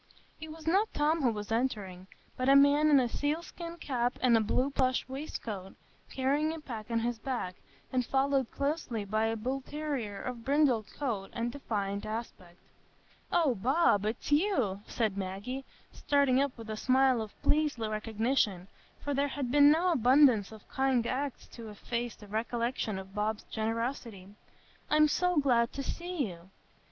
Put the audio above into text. It was not Tom who was entering, but a man in a sealskin cap and a blue plush waistcoat, carrying a pack on his back, and followed closely by a bullterrier of brindled coat and defiant aspect. "Oh, Bob, it's you!" said Maggie, starting up with a smile of pleased recognition, for there had been no abundance of kind acts to efface the recollection of Bob's generosity; "I'm so glad to see you."